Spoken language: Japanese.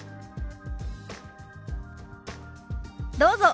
どうぞ。